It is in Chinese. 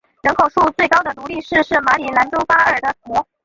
人口数最高的独立市是马里兰州巴尔的摩。